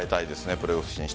プレーオフ進出。